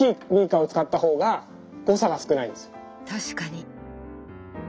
確かに。